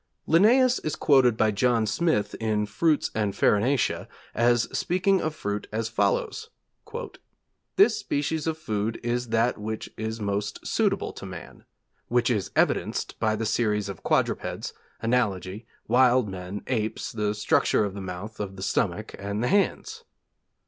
Linnæus is quoted by John Smith in Fruits and Farinacea as speaking of fruit as follows: 'This species of food is that which is most suitable to man: which is evidenced by the series of quadrupeds, analogy, wild men, apes, the structure of the mouth, of the stomach, and the hands.'